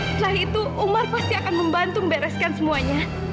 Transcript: setelah itu umar pasti akan membantu membereskan semuanya